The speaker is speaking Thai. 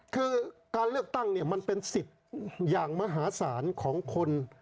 คือการเลือกตั้งเนี่ยมันเป็นสิทธิ์อย่างมหาศาลของคน